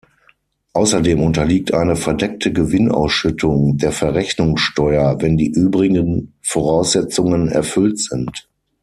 Außerdem unterliegt eine verdeckte Gewinnausschüttung der Verrechnungssteuer, wenn die übrigen Voraussetzungen erfüllt sind.